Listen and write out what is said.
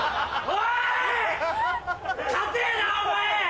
お前。